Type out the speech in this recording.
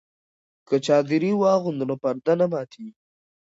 که چادري واغوندو نو پرده نه ماتیږي.